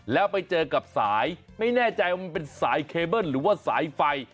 แล้วไปเจอกับสายไม่แน่ใจว่ามันเป็นสายเคเบิ้ลหรือว่าสายไฟ